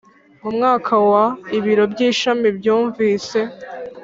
Mu mwaka wa ibiro by ishami byumvise